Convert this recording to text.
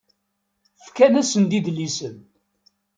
Fkan-asen-d idlisen.